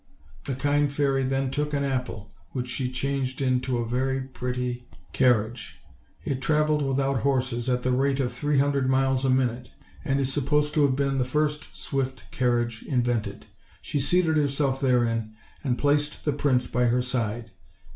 The kind fairy then took an apple which she changed into a very pretty OLD, OLD FAIRY TALES. 169 carriage; it traveled without horses, at the rate of three hundred miles a minute, and is supposed to have been the first swift carriage invented. She seated herself therein, and placed the prince by her side.